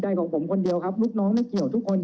เรามีการปิดบันทึกจับกลุ่มเขาหรือหลังเกิดเหตุแล้วเนี่ย